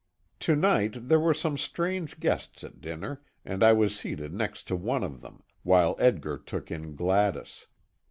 To night there were some strange guests at dinner, and I was seated next to one of them, while Edgar took in Gladys.